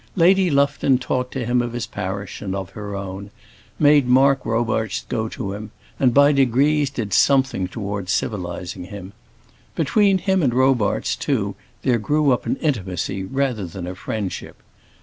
Lady Lufton talked to him of his parish and of her own; made Mark Robarts go to him, and by degrees did something towards civilizing him. Between him and Robarts too there grew up an intimacy rather than a friendship.